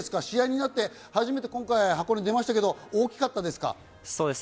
試合になって初めて今回箱根に出ましたが、大きかったですか？